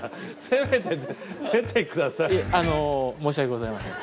あの申し訳ございません。